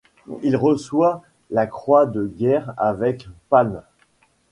Il reçoit la croix de guerre avec palmes.